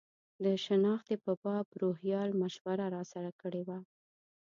د شنختې په باب روهیال مشوره راسره کړې وه.